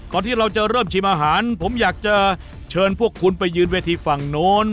ที่เราจะเริ่มชิมอาหารผมอยากจะเชิญพวกคุณไปยืนเวทีฝั่งโน้น